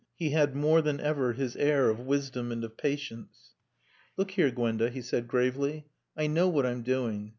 He had more than ever his air of wisdom and of patience. "Look here, Gwenda," he said gravely. "I know what I'm doing.